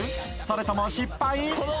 それとも失敗？